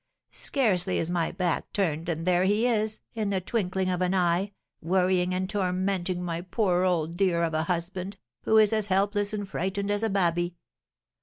Scarcely is my back turned, than there he is, in the twinkling of an eye, worrying and tormenting my poor old dear of a husband, who is as helpless and frightened as a babby.